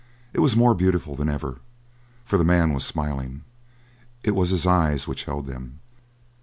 It was more beautiful than ever, for the man was smiling. It was his eyes which held them.